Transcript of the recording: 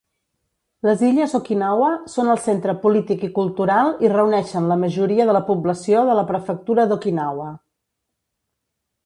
Les illes Okinawa són el centre polític i cultural i reuneixen la majoria de la població de la prefectura d'Okinawa.